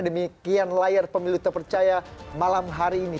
demikian layar pemilu terpercaya malam hari ini